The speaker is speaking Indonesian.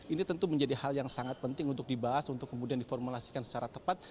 ini tentu menjadi hal yang sangat penting untuk dibahas untuk kemudian diformulasikan secara tepat